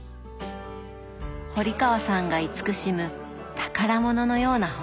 堀川さんが慈しむ宝物のような本たち。